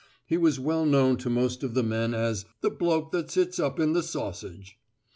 He was well known to most of the men as "the bloke that sits up in the sausage."